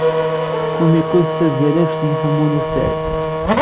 Kumiko tettazzal anect n Ḥemmu n At Sɛid.